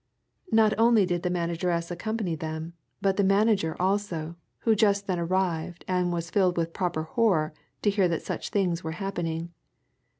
Not only did the manageress accompany them, but the manager also, who just then arrived and was filled with proper horror to hear that such things were happening.